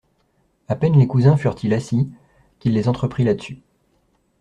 A peine les cousins furent-ils assis, qu'il les entreprit là-dessus.